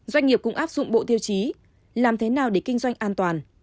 doanh nghiệp cũng áp dụng bộ tiêu chí làm thế nào để kinh doanh an toàn